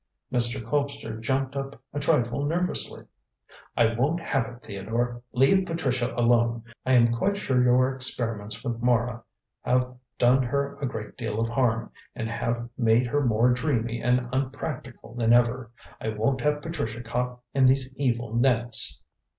Mr. Colpster jumped up a trifle nervously. "I won't have it, Theodore. Leave Patricia alone. I am quite sure your experiments with Mara have done her a great deal of harm, and have made her more dreamy and unpractical than ever. I won't have Patricia caught in these evil nets."